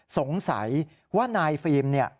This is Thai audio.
สงสัยว่านายฟิล์มเนี่ย